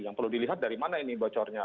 yang perlu dilihat dari mana ini bocornya